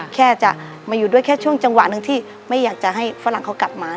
แค่จะมาอยู่ด้วยแค่ช่วงจังหวะหนึ่งที่ไม่อยากจะให้ฝรั่งเขากลับมา